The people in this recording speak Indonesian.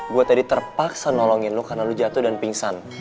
gue tadi terpaksa nolongin lu karena lu jatuh dan pingsan